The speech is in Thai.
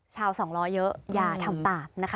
สองล้อเยอะอย่าทำตามนะคะ